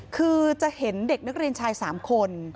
คือจะเห็นเด็กนักเรียนชาย๓คน